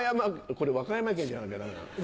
これ和歌山県じゃなきゃダメなの。